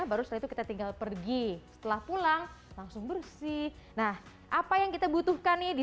baru setelah itu kita tinggal pergi setelah pulang langsung bersih nah apa yang kita butuhkan nih di